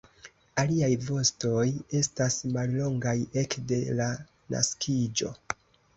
Iliaj vostoj estas mallongaj ekde la naskiĝo.